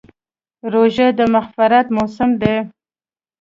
روژه د مغفرت موسم دی.